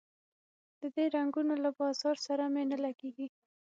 د دې رنګونو له بازار سره مي نه لګیږي